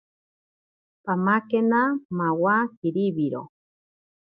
Pamakena mawa kiriwiro.